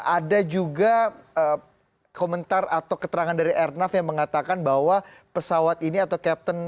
ada juga komentar atau keterangan dari airnav yang mengatakan bahwa pesawat ini atau captain